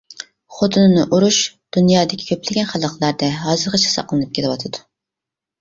خوتۇنىنى ئۇرۇش دۇنيادىكى كۆپلىگەن خەلقلەردە ھازىرغىچە ساقلىنىپ كېلىۋاتىدۇ.